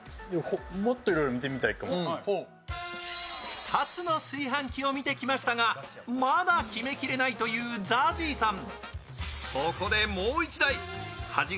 ２つの炊飯器を見てきましたがまだ決め切れないというＺＡＺＹさん。